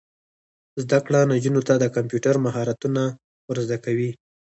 زده کړه نجونو ته د کمپیوټر مهارتونه ور زده کوي.